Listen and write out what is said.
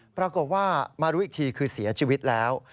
ปรากฏว่ามารู้อีกทีคือเสียชีวิตแล้ว